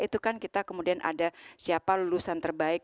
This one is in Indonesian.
itu kan kita kemudian ada siapa lulusan terbaik